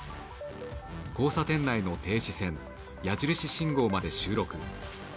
交差点内の停止線矢印信号まで収録。